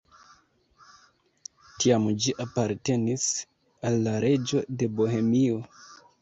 Tiam ĝi apartenis al la reĝo de Bohemio.